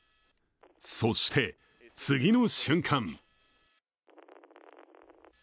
そして、次の瞬間。